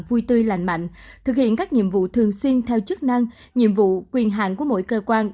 vui tươi lành mạnh thực hiện các nhiệm vụ thường xuyên theo chức năng nhiệm vụ quyền hạng của mỗi cơ quan